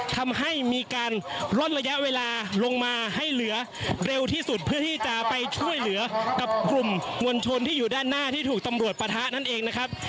ทำให้มีการลดระยะเวลาลงมาให้เหลือเร็วที่สุดเพื่อที่จะไปช่วยเหลือกับกลุ่มมวลชนที่อยู่ด้านหน้าที่ถูกตำรวจปะทะนั่นเองนะครับ